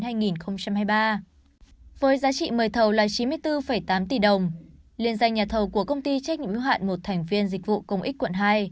với giá trị mời thầu là chín mươi bốn tám tỷ đồng liên danh nhà thầu của công ty trách nhiệm ưu hạn một thành viên dịch vụ công ích quận hai